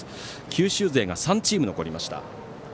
九州勢が３チーム残りました。